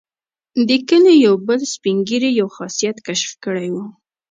د کلي یو بل سپین ږیري یو خاصیت کشف کړی وو.